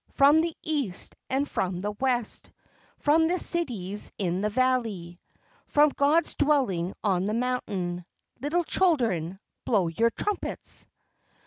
From the East and from the West, From the cities in the valley, From God's dwelling on the mountain, Little children, blow your trumpets!